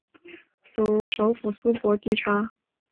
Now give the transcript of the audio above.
首府苏博蒂察。